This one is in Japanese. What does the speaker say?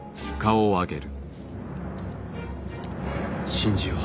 信じよう。